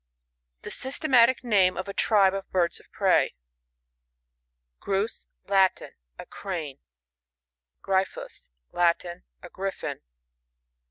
The systematic name ef a tribe of birds of prey. Grus. — Latin. A Crane. Gryfhus. — Latin. A Griffin.